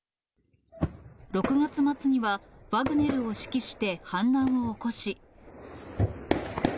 ６月末には、ワグネルを指揮して反乱を起こし。